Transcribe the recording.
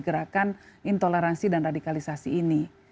gerakan intoleransi dan radikalisasi ini